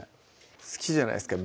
好きじゃないですか